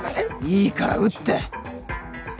いいから打って。